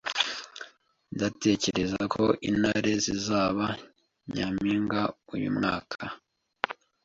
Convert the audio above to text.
Ndatekereza ko Intare zizaba nyampinga uyu mwaka.